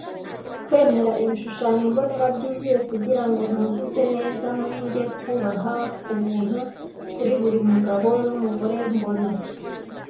Kwemera ibishushanyo mbonera byuzuye kugirango nuzuze neza muri njye, kubaha kubuntu kuri buri mugabo numugore mbona,